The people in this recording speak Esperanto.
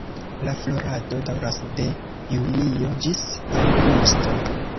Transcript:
La florado daŭras de junio ĝis aŭgusto.